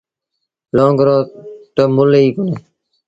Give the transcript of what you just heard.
لونگ رو تا مُل ئي ڪونهي۔